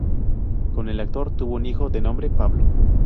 Con el actor tuvo un hijo de nombre Pablo.